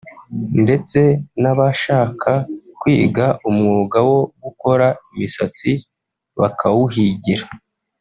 ndetse n’abashaka kwiga umwuga wo gukora imisatsi bakawuhigira